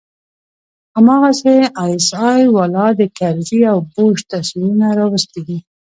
هماغسې آى اس آى والا د کرزي او بوش تصويرونه راوستي دي.